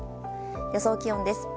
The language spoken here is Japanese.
予想気温です。